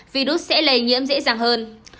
virus sẽ lây nhiễm dễ dàng hơn